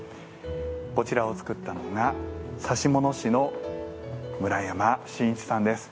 こちらを作ったのが指物師の村山伸一さんです。